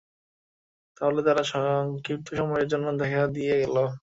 তাহলে তারা সংক্ষিপ্তসময়ের জন্য দেখা দিয়ে গেল?